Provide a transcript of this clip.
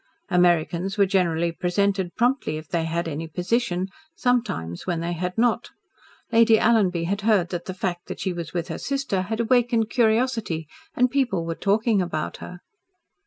Americans were generally presented promptly, if they had any position sometimes when they had not. Lady Alanby had heard that the fact that she was with her sister had awakened curiosity and people were talking about her.